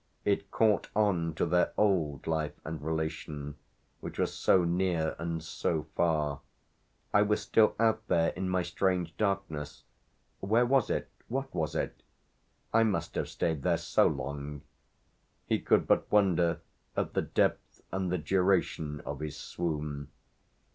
It caught on to their "old" life and relation which were so near and so far. "I was still out there in my strange darkness where was it, what was it? I must have stayed there so long." He could but wonder at the depth and the duration of his swoon.